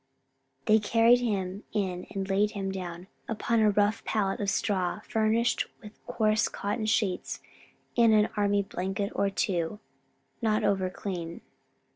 They carried him in and laid him down upon a rough pallet of straw furnished with coarse cotton sheets and an army blanket or two, not over clean.